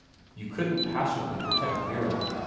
You couldn't passionately protect Vera.